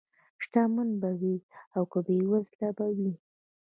شتمن به وي او که بېوزله به وي.